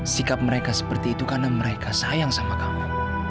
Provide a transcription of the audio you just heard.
sikap mereka seperti itu karena mereka sayang sama kamu